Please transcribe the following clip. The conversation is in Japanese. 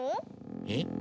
えっ？